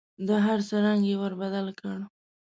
د هر څه رنګ یې ور بدل کړ .